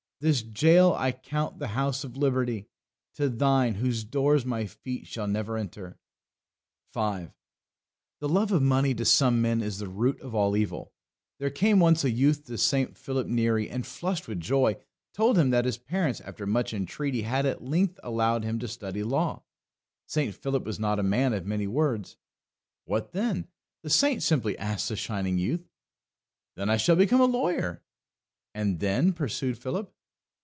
This jail I count the house of liberty To thine, whose doors my feet shall never enter." 5. The love of money to some men is the root of all evil. There came once a youth to St. Philip Neri and, flushed with joy, told him that his parents after much entreaty had at length allowed him to study law. St. Philip was not a man of many words. "What then?" the saint simply asked the shining youth. "Then I shall become a lawyer!" "And then?" pursued Philip.